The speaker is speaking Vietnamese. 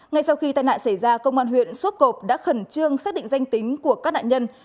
ngay sau khi tai nạn xảy ra công an huyện sốp cộp đã khẩn trương xác định danh tính của các nạn nhân